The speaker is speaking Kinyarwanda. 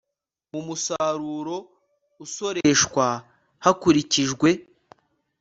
mu musaruro usoreshwa hakurikijwe